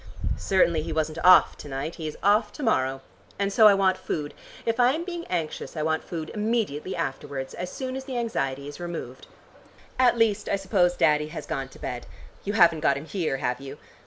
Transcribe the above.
Certainly he wasn't off to night; he is off to morrow. And so I want food. If I am being anxious I want food immediately afterwards, as soon as the anxiety is removed. At least I suppose Daddy has gone to bed. You haven't got him here, have you?